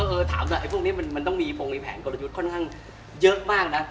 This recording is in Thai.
เออถามหน่อยพวกนี้มันต้องมีพงมีแผนกลยุทธ์ค่อนข้างเยอะมากนะ